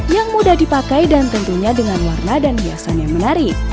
yang mudah dipakai dan tentunya dengan warna dan hiasan yang menarik